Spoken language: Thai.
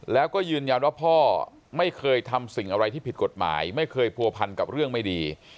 แล้วก็ยืนยันว่าพ่อไม่เคยทำสิ่งอะไรที่ผิดกฎหมายไม่เคยผัวพันกับเรื่องไม่ดี